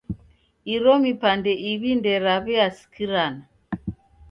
Iro mipande iw'i nderaw'iasikirana.